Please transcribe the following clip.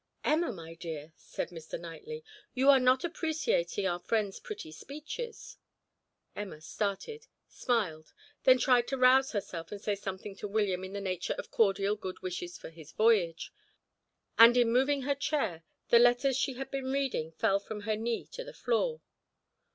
"Emma, my dear," said Mr. Knightley, "you are not appreciating our friend's pretty speeches." Emma started, smiled, then tried to rouse herself and say something to William in the nature of cordial good wishes for his voyage, and in moving her chair, the letters she had been reading fell from her knee to the floor.